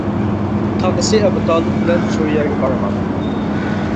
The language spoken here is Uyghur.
تاغىسى ئەبۇ تالىپ بىلەن سۈرىيەگە بارغان.